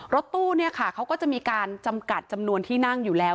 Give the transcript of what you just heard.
รถตู้เขาก็จะมีการจำกัดจำนวนที่นั่งอยู่แล้ว